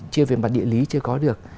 chưa về mặt địa lý chưa có được